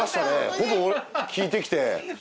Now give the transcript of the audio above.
ほぼ聞いてきて。